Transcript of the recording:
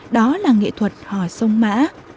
đó là nghệ thuật hòa sông mã